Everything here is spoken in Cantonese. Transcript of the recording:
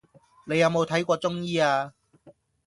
你有冇睇過中醫呀